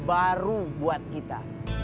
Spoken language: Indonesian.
baru buat kita